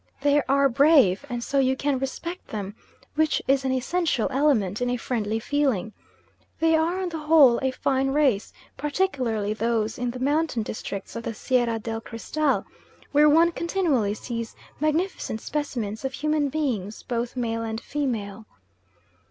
They are brave and so you can respect them, which is an essential element in a friendly feeling. They are on the whole a fine race, particularly those in the mountain districts of the Sierra del Cristal, where one continually sees magnificent specimens of human beings, both male and female.